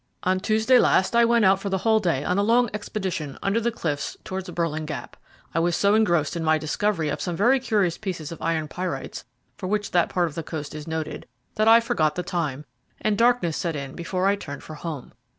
On Tuesday last I went out for the whole day on a long expedition under the cliffs towards Burling Gap. I was so engrossed in my discovery of some very curious pieces of iron pyrites, for which that part of the coast is noted, that I forgot the time, and darkness set in before I turned for home.